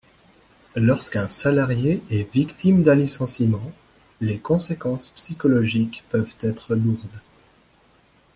Lorsqu’un salarié est victime d’un licenciement, les conséquences psychologiques peuvent être lourdes.